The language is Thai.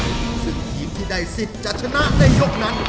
ซึ่งทีมที่ได้สิทธิ์จะชนะในยกนั้น